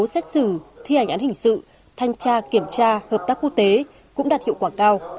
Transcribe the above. xét xử thi hành án hình sự thanh tra kiểm tra hợp tác quốc tế cũng đạt hiệu quả cao